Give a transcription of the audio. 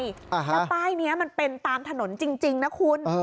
แล้วป้ายนี้มันเป็นตามถนนจริงนะคุณ